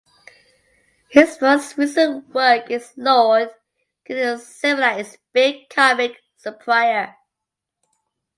His most recent work is "Lord" currently serialized in Big Comic Superior.